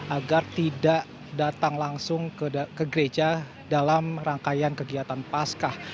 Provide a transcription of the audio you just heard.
agar tidak datang langsung ke gereja dalam rangkaian kegiatan pascah